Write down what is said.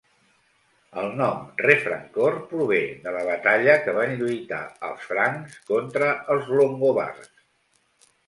El nom Refrancore prové de la batalla que van lluitar els francs contra els longobards.